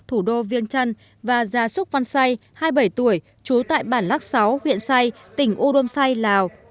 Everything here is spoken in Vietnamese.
thủ đô viên trăn và gia súc văn say hai mươi bảy tuổi chú tại bản lắc sáu huyện say tỉnh u đôm say lào